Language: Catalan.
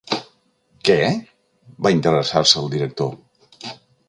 Què? —va interessar-se el director.